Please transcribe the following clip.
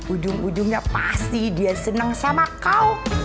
ujung ujungnya pasti dia senang sama kau